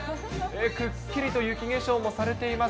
くっきりと雪化粧もされています。